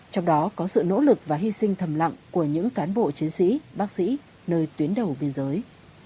trong đó có sự nỗ lực và hy sinh thầm lặng của những cán bộ chiến sĩ bác sĩ nơi tuyến đầu biên giới